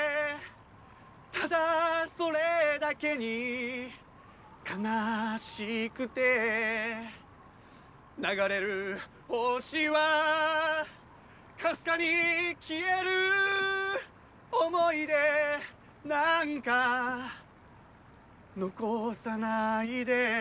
「ただそれだけに悲しくて」「流れる星はかすかに消える」「思い出なんか残さないで」